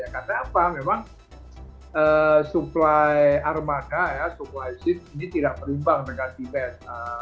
karena apa memang supply armada ya supply ship ini tidak berimbang dengan demand